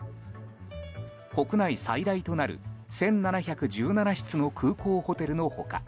国内最大となる１７１７室の空港ホテルの他